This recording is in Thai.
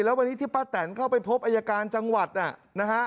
แล้ววันนี้ที่ป้าแตนเข้าไปพบอายการจังหวัดนะฮะ